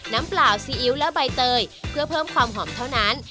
เปล่าซีอิ๊วและใบเตยเพื่อเพิ่มความหอมเท่านั้น